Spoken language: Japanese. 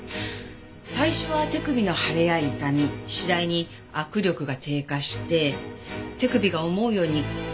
最初は手首の腫れや痛み次第に握力が低下して手首が思うように動かないといった機能障害が出てくる。